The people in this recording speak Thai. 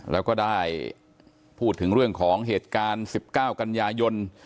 แล้วก็ได้พูดถึงเรื่องของเหตุการณ์๑๙กันยายน